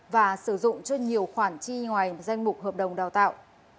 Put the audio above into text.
và sử dụng cho nhiều khoản chi ngoài danh mục hợp đồng đào tạo